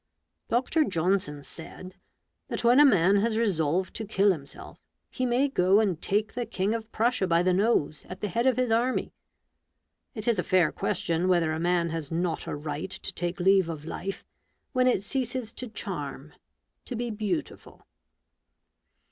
Dr. Johnson said, that when a man has resolved to kill himself, he may go and take the king of Prussia by the nose, at the head of his army. It is a fair question whether a man has not a right to take leave of life when it ceases to charm — to be beautiful." 104 A BOOK OF BARGAINS.